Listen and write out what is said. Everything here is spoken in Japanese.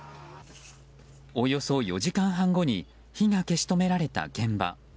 およそ４時間半後に火が消し止められた現場。